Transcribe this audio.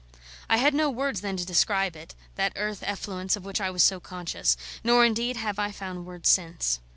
I had no words then to describe it, that earth effluence of which I was so conscious; nor, indeed, have I found words since.